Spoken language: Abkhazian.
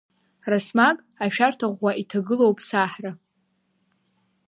Расмаг ашәарҭа ӷәӷәа иҭагылоуп саҳра.